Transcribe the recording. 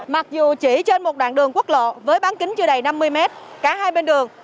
mặc dù chỉ trên một đoạn đường quốc lộ với bán kính chưa đầy năm mươi mét cả hai bên đường